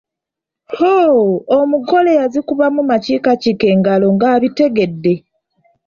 Hooo omugole yazikubamu makiikakiika engalo ng'abitegedde.